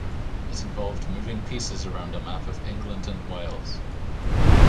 It involved moving pieces around a map of England and Wales.